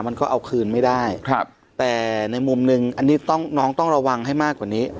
มันก็เอาคืนไม่ได้แต่ในมุมหนึ่งอันนี้ต้องน้องต้องระวังให้มากกว่านี้